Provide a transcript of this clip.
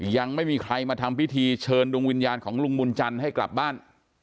ยังไม่มีใครมาทำพิธีเชิญดวงวิญญาณของลุงบุญจันทร์ให้กลับบ้าน